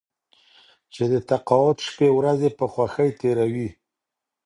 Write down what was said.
چې د تقاعد شپې ورځې په خوښۍ تېروي.